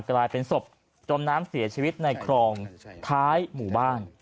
กลายเป็นศพจมน้ำเสียชีวิตในคลองท้ายหมู่บ้าน